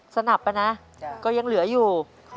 สนับนะก็ยังเหลืออยู่